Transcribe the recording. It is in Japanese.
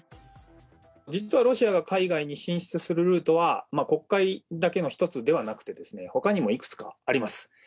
実はロシアが海外に進出するルートは、黒海だけの１つではなくて、ほかにもいくつかあります。